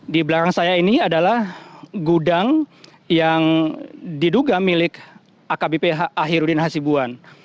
di belakang saya ini adalah gudang yang diduga milik akbp ahirudin hasibuan